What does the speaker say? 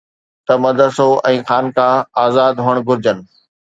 ته مدرسو ۽ خانقاه آزاد هئڻ گهرجن